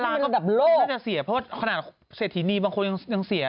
ก็แบบโลกน่าจะเสียเพราะว่าขนาดเศรษฐีนีบางคนยังเสีย